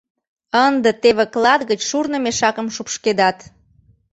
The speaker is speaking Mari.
Ынде теве клат гыч шурно мешакым шупшкедат.